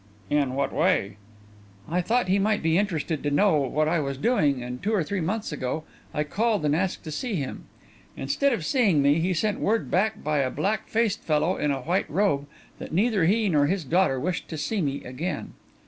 "In what way?" "I thought he might be interested to know what I was doing, and two or three months ago, I called and asked to see him. Instead of seeing me, he sent word by a black faced fellow in a white robe that neither he nor his daughter wished to see me again."